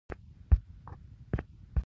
کور د انسان د خوښۍ سبب دی.